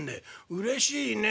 「うれしいね。